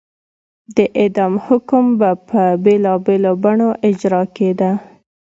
د اعدام حکم به په بېلابېلو بڼو اجرا کېده.